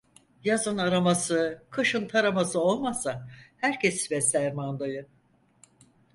Yazın araması, kışın taraması olmasa herkes besler mandayı.